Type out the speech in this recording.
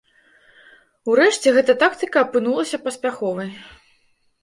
Урэшце, гэта тактыка апынулася паспяховай.